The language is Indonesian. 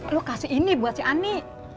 lo kasih ini buat si ani